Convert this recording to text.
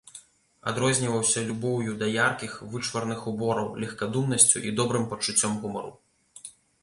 Адрозніваўся любоўю да яркіх, вычварных убораў, легкадумнасцю і добрым пачуццём гумару.